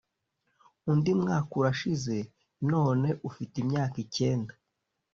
undi mwaka urashize, none ufite imyaka icyenda.